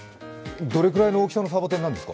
どれくらいの大きさのサボテンなんですか？